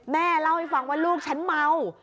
แม่เล่าให้ฟังว่าลูกฉันเมา